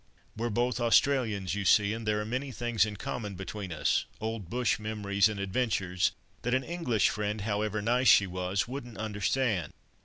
We're both Australians, you see, and there are many things in common between us; old bush memories and adventures, that an English friend, however nice she was, wouldn't understand.